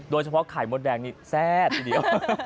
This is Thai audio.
โดยเฉพาะไข่มดแดงนี่แซ่บทีเดียว